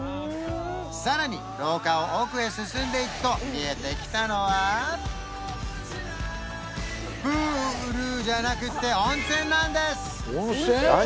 さらに廊下を奥へ進んでいくと見えてきたのはプールじゃなくて温泉なんです！